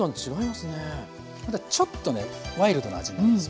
またちょっとねワイルドな味になります。